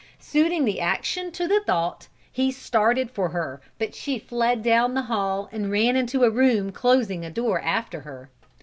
Suiting the action to the thought, he started for her but she fled down the hall and ran into a room closing the door after her.